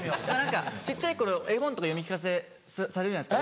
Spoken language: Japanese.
小っちゃい頃絵本とか読み聞かせされるじゃないですか。